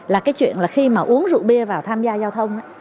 là cái chuyện khi mà uống rượu bia vào tham gia giao thông